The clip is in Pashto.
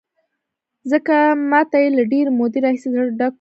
ځکه ما ته یې له ډېرې مودې راهیسې زړه ډک و.